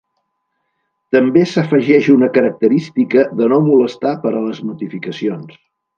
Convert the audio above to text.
També s'afegeix una característica de no molestar per a les notificacions.